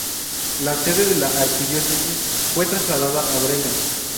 La sede de la arquidiócesis fue trasladada a Bremen.